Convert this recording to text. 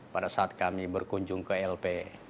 pada saat kami berkunjung ke lp